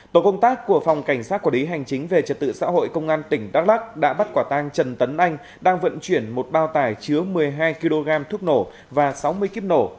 tổ công tác của phòng cảnh sát quản lý hành chính về trật tự xã hội công an tỉnh đắk lắc đã bắt quả tang trần tấn anh đang vận chuyển một bao tải chứa một mươi hai kg thuốc nổ và sáu mươi kíp nổ